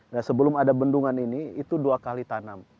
nah sebelum ada bendungan ini itu dua kali tanam